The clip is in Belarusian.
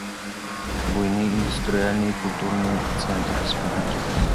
Буйны індустрыяльны і культурны цэнтр рэспублікі.